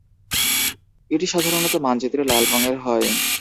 এটি সাধারণত মানচিত্রে লাল রঙের হয়।